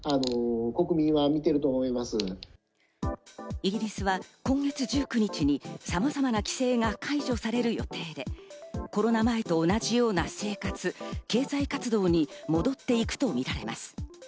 イギリスは今月１９日にさまざまな規制が解除される予定で、コロナ前と同じような生活、経済活動に戻っていくとみられます。